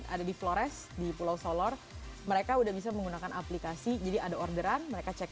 ada di flores di pulau solor mereka udah bisa menggunakan aplikasi jadi ada orderan mereka cek